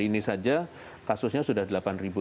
ini saja kasusnya sudah delapan delapan ratus per hari